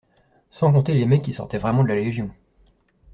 Sans compter les mecs qui sortaient vraiment de la légion.